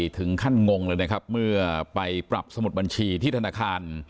ถึงขั้นงงเลยนะครับเมื่อไปปรับสมุดบัญชีที่ธนาคาร